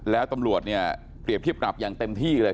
แล้วตำรวจเนี่ยเปรียบเทียบปรับอย่างเต็มที่เลย